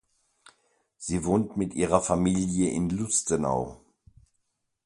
Sie wohnt mit ihrer Familie in Lustenau.